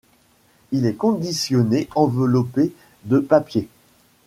Il est conditionné enveloppé de papier.